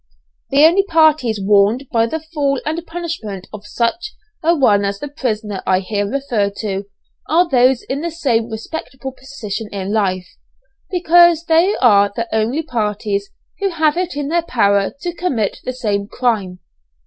The only parties warned by the fall and punishment of such an one as the prisoner I here refer to, are those in the same respectable position in life, because they are the only parties who have it in their power to commit the same crime.